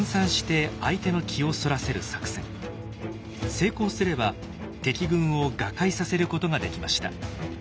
成功すれば敵軍を瓦解させることができました。